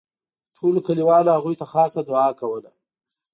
ټولو کلیوالو هغوی ته خاصه دوعا کوله.